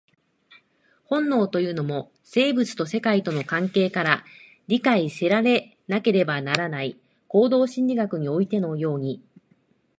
本能というのも、生物と世界との関係から理解せられなければならない、行動心理学においてのように。